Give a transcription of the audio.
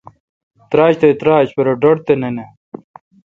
تراچ تہ تراچ پرہ ڈھٹ تہ نہ نہ